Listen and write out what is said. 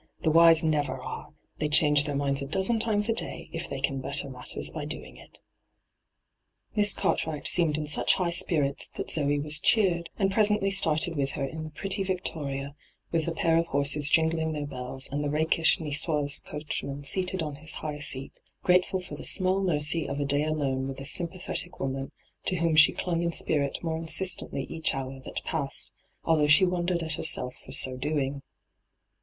The wise never are — they change their minds a dozen times a day, if they can better matters by doing it.' Miss Cartwright seemed in such high spirits that Zoe was cheered, and presently started with her in the pretty victoria with the pair of horses jingling their bells, and the rakish Nijois coachman seated on his high seat, grateful for the small mercy of a day alone with a sympathetic woman, to whom she clung in spirit more insistently each hour that passed, although she wondered at herself for so doing.